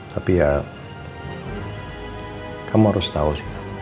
tapi ya kamu harus tahu